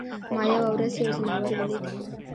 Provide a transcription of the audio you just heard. ما یوه ورځ یو ځناور ولید.